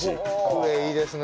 クエいいですね